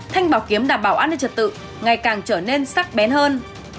thanh bảo kiếm đảm bảo an ninh trật tự ngày càng trở nên sắc bén hơn